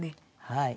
はい。